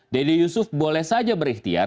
dede yusuf boleh saja berikhtiar